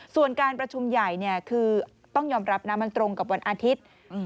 ส่วนการประชุมใหญ่คือต้องยอมรับนะมันตรงกับวันอาทิตย์